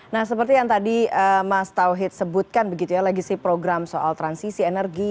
nah seperti yang tadi mas tauhid sebutkan begitu ya legasi program soal transisi energi